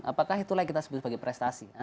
apakah itulah yang kita sebut sebagai prestasi